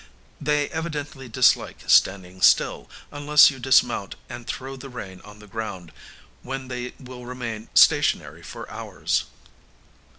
They evidently dislike standing still, unless you dismount and throw the rein on the ground, when they will remain stationary for hours.